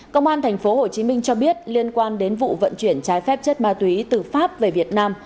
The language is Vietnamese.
công an tp hcm cho biết liên quan đến vụ vận chuyển trái phép chất ma túy từ pháp về việt nam